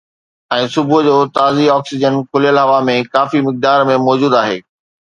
۽ صبح جو، تازي آڪسيجن کليل هوا ۾ ڪافي مقدار ۾ موجود آهي